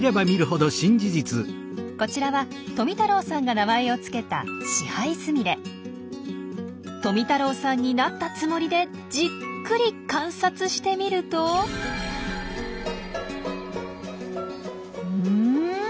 こちらは富太郎さんが名前を付けた富太郎さんになったつもりでじっくり観察してみるとうん？